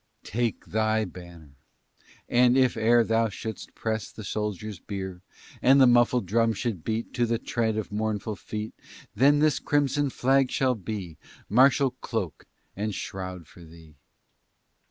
"Take thy banner! and if e'er Thou shouldst press the soldier's bier, And the muffled drum should beat To the tread of mournful feet, Then this crimson flag shall be Martial cloak and shroud for thee."